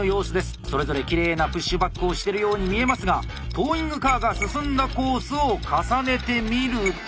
それぞれきれいなプッシュバックをしてるように見えますがトーイングカーが進んだコースを重ねてみると。